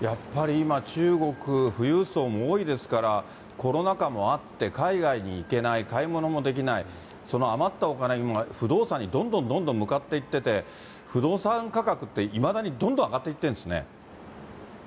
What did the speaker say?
今中国、富裕層も多いですから、コロナ禍もあって、海外に行けない、買い物もできない、その余ったお金、不動産にどんどんどんどん向かっていってて、不動産価格って、いまだにどんどん上がっていってるんですね。